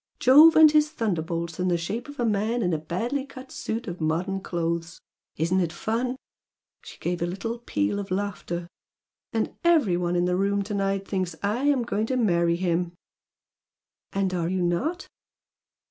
Jove and his thunderbolts in the shape of a man in a badly cut suit of modern clothes! Isn't it fun!" She gave a little peal of laughter. "And every one in the room to night thinks I am going to marry him!" "And are you not?"